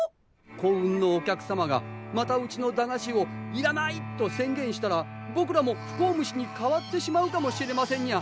幸運のお客様がまたうちの駄菓子を「いらない！」と宣言したらぼくらも不幸虫に変わってしまうかもしれませんニャ。